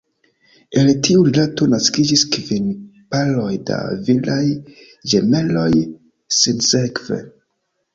El tiu rilato naskiĝis kvin paroj da viraj ĝemeloj, sinsekve.